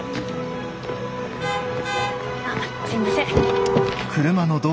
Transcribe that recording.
・あすいません。